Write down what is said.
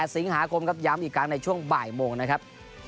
สิงหาคมครับย้ำอีกครั้งในช่วงบ่ายโมงนะครับ